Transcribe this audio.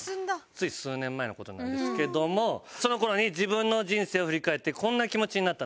つい数年前の事なんですけどもその頃に自分の人生を振り返ってこんな気持ちになったんです。